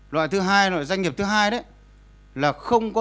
loại thứ hai loại doanh nghiệp thứ hai đấy